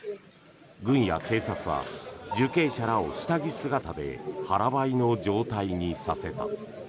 軍や警察は受刑者らを下着姿で腹ばいの状態にさせた。